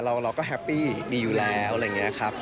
เราก็แฮปปี้ดีอยู่แล้วอะไรอย่างนี้ครับ